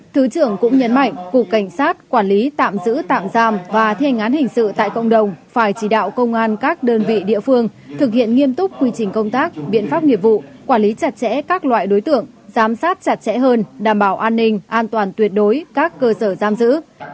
thứ trưởng cũng nhấn mạnh cục cảnh sát quản lý tạm giữ tạm giam và thi hành án hình sự tại cộng đồng phải chỉ đạo công an các đơn vị địa phương thực hiện nghiêm túc quy trình công tác biện pháp nghiệp vụ quản lý chặt chẽ các loại đối tượng giám sát chặt chẽ hơn đảm bảo an ninh an toàn tuyệt đối các cơ sở giam giữ